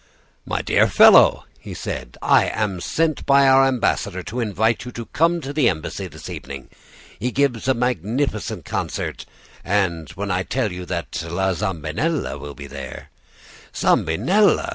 "'My dear fellow,' he said, I am sent by our ambassador to invite you to come to the embassy this evening. He gives a magnificent concert, and when I tell you that La Zambinella will be there ' "'Zambinella!